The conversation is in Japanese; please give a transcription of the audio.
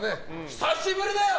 久しぶりだよ！